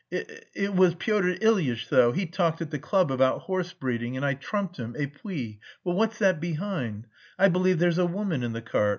It was Pyotr Ilyitch though, he talked at the club about horse breeding and I trumped him, et puis... but what's that behind?... I believe there's a woman in the cart.